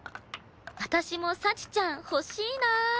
私も幸ちゃん欲しいな。